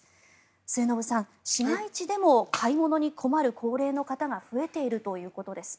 末延さん、市街地でも買い物に困る高齢の方が増えているということです。